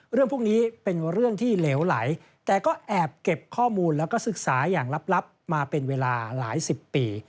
เรื่องพวกนี้เป็นเรื่องที่เหลวไหลแต่ก็แอบเก็บข้อมูลแล้วก็ศึกษาอย่างลับมาเป็นเวลาหลายสิบปี